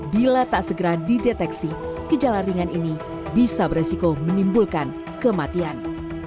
bila tak segera dideteksi gejala ringan ini bisa beresiko menimbulkan kematian